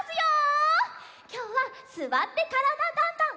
きょうは「すわってからだ☆ダンダン」。